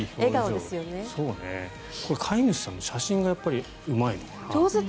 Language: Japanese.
飼い主さんの写真がうまいのかな？